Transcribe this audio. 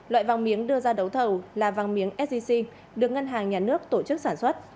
loại vàng miếng đưa ra đấu thầu là vàng miếng sgc được ngân hàng nhà nước tổ chức sản xuất